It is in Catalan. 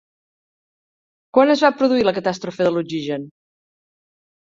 Quan es va produir la catàstrofe de l'oxigen?